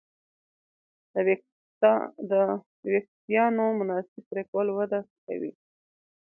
د وېښتیانو مناسب پرېکول وده ښه کوي.